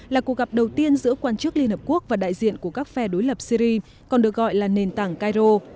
là cuộc gặp đầu tiên giữa quan chức liên hợp quốc và đại diện của các phe đối lập syri còn được gọi là nền tảng cairo